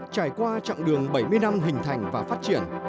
trải qua chặng đường bảy mươi năm hình thành và phát triển